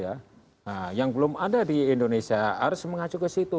nah yang belum ada di indonesia harus mengacu ke situ